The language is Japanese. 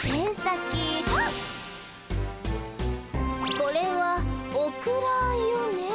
これはオクラよね。